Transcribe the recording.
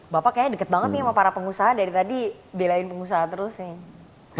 bapak kayaknya deket banget nih sama para pengusaha dari tadi belain pengusaha terus nih